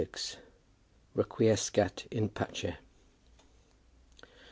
REQUIESCAT IN PACE.